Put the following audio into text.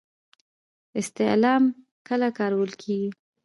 استعلام کله کارول کیږي؟